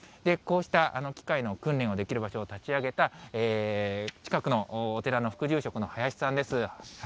こうした機械の訓練をできる場所を立ち上げた、近くのお寺の副住職の林さんです。